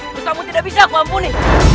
bersama tidak bisa aku mampuni